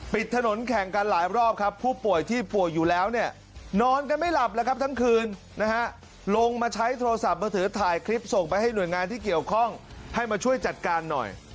ปิดถนนแข่งกันหลายรอบครับผู้ป่วยที่ป่วยอยู่แล้วเนี่ยนอนกันไม่หลับแล้วครับทั้งคืนนะฮะลงมาใช้โทรศัพท์มือถือถ่ายคลิปส่งไปให้หน่วยงานที่เกี่ยวข้องให้มาช่วยจัดการหน่อย